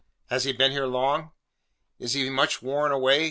Has he been here long? Is he much worn away?